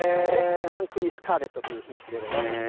フランクリースカーレットという品種でございました。